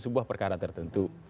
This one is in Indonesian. sebuah perkara tertentu